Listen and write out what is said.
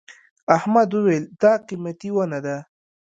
احمد وويل: دا قيمتي ونه ده.